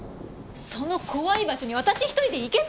その怖い場所に私一人で行けと？